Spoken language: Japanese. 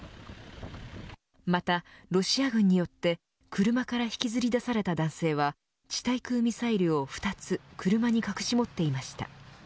また、ロシア軍によって車から引きずり出された男性は地対空ミサイルを２つ車に隠し持っていました。